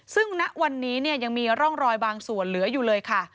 ซึ่งณวันนี้ยังมีร่องรอยบางส่วนเหลืออยู่เลยค่ะ